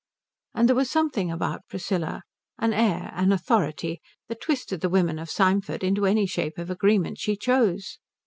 And there was something about Priscilla, an air, an authority, that twisted the women of Symford into any shape of agreement she chose.